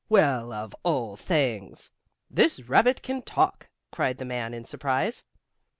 Well, of all things! This rabbit can talk!" cried the man in surprise.